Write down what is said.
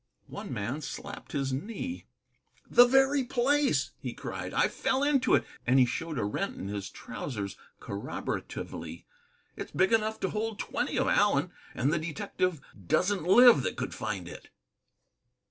One man slapped his knee. "The very place," he cried. "I fell into it," and he showed a rent in his trousers corroboratively. "It's big enough to hold twenty of Allen, and the detective doesn't live that could find it."